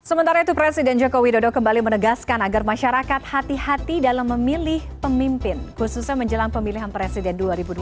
sementara itu presiden joko widodo kembali menegaskan agar masyarakat hati hati dalam memilih pemimpin khususnya menjelang pemilihan presiden dua ribu dua puluh